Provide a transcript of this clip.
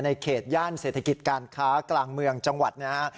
เขตย่านเศรษฐกิจการค้ากลางเมืองจังหวัดนะฮะ